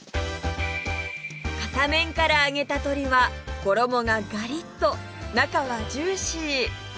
片面から揚げた鶏は衣がガリッと中はジューシー